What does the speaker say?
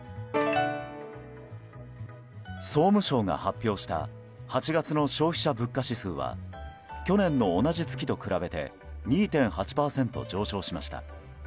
総務省が発表した８月の消費者物価指数は去年の同じ月と比べて２．８％上昇しました。